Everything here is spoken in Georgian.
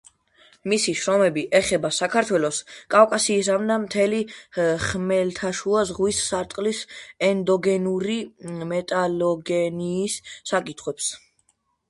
მისი შრომები ეხება საქართველოს, კავკასიისა და მთელი ხმელთაშუა ზღვის სარტყლის ენდოგენური მეტალოგენიის საკითხებს.